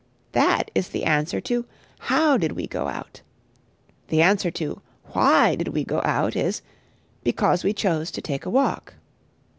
That is the answer to "How did we go out?" The answer to Why did we go out is, "Because we chose to take a walk."